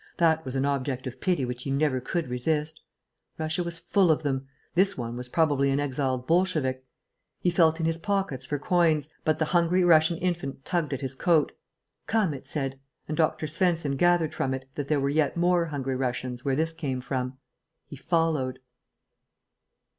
That was an object of pity which he never could resist. Russia was full of them; this one was probably an exiled Bolshevik. He felt in his pockets for coins, but the hungry Russian infant tugged at his coat. "Come," it said, and Dr. Svensen gathered from it that there were yet more hungry Russians where this came from. He followed....